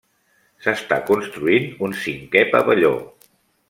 S'està construint un cinquè pavelló.